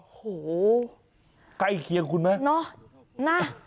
โอ้โหใกล้เคียงคุณไหมเนาะ